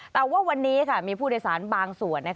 แต่ว่าวันนี้มีผู้โดยสารบางส่วน